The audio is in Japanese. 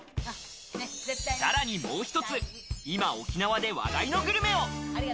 さらにもう一つ、今沖縄で話題のグルメを！